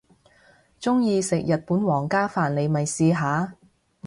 鍾意食日本皇家飯你咪試下